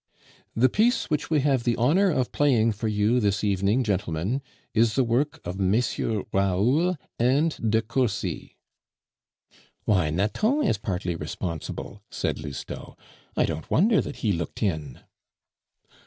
"The piece which we have the honor of playing for you this evening, gentlemen, is the work of MM. Raoul and de Cursy." "Why, Nathan is partly responsible," said Lousteau. "I don't wonder that he looked in."